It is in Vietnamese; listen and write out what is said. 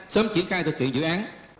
sớm triển khai thực hiện dự án